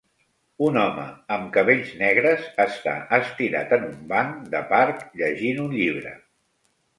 Un home amb cabells negres està estirat en un banc de parc llegint un llibre.